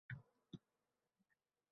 Mavhum zamon-makonda tugʼildim.